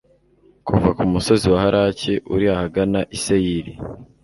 kuva ku musozi wa halaki uri ahagana i seyiri